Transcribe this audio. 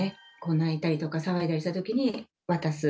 泣いたりとか騒いだりとかしたときに渡す。